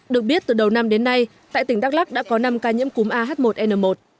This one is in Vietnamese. được biết từ đầu năm đến nay tại tỉnh đắk lắc đã có năm ca nhiễm cúm ah một n một